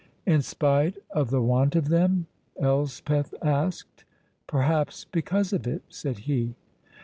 "In spite of the want of them?" Elspeth asked. "Perhaps because of it," said he.